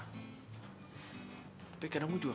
tapi kadang gue juga